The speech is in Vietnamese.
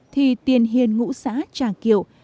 thì tiền hiền ngũ xã trà kiệu